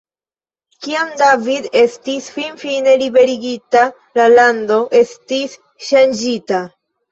Kiam David estis finfine liberigita, la lando estis ŝanĝita.